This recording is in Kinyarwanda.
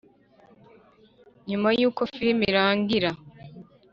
Nyuma yuko filime irangira